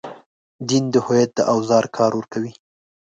دین د هویت د اوزار کار ورکوي.